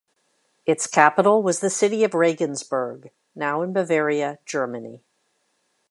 Its capital was the city of Regensburg, now in Bavaria, Germany.